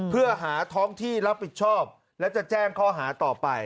เพื่อหาท้องที่รับผิดชอบและจะแจ้งข้อหาต่อไป